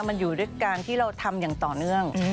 มันอยู่ด้วยการที่เราทำอย่างต่อเนื่อง